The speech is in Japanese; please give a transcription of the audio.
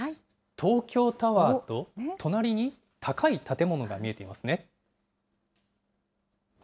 東京タワーと隣に高い建物が見えていますね。